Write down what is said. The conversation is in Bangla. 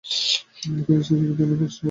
তিনি চিকিৎসাবিদ্যা নিয়ে পড়াশোনা করেন।